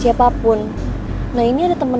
siapapun nah ini ada teman